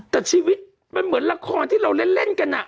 แต่ชีวิตมันเหมือนละครที่เราเล่นกัน